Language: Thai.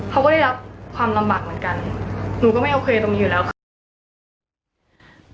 เขาก็ได้รับความลำบากเหมือนกันหนูก็ไม่โอเคตรงนี้อยู่แล้วค่ะ